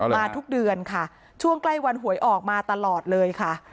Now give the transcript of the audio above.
มาทุกเดือนค่ะช่วงใกล้วันหวยออกมาตลอดเลยค่ะ